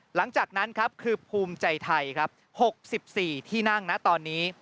หลังจากนั้นครับคือภูมิใจไทยครับ๖๔ที่นั่งนะตอนนี้